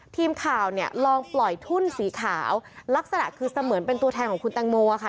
ทีมข่าวเนี่ยลองปล่อยทุ่นสีขาวลักษณะคือเสมือนเป็นตัวแทนของคุณแตงโมค่ะ